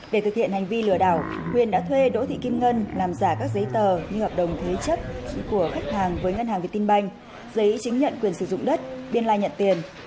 để thực hiện hành vi lừa đảo quyền đã thuê đỗ thị kim ngân làm giả các giấy tờ như hợp đồng thế chấp của khách hàng với ngân hàng việt tinh banh giấy chứng nhận quyền sử dụng đất biên lai nhận tiền